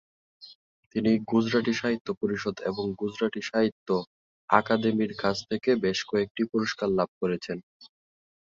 তিনি গুজরাটি সাহিত্য পরিষদ এবং গুজরাটি সাহিত্য আকাদেমির কাছ থেকে বেশ কয়েকটি পুরস্কার লাভ করেছেন।